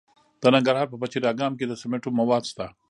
د ننګرهار په پچیر اګام کې د سمنټو مواد شته.